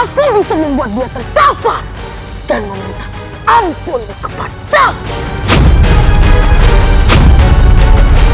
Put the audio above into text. aku bisa membuat dia terkapal dan meminta ampunmu kepada aku